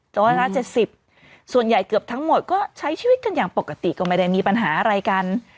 ร้อยละ๗๐ส่วนใหญ่เกือบทั้งหมดก็ใช้ชีวิตกันอย่างปกติก็ไม่ได้มีปัญหาอะไรกัน